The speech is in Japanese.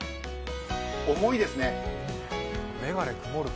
重いですね。